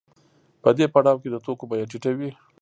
په دې پړاو کې د توکو بیه ټیټه وي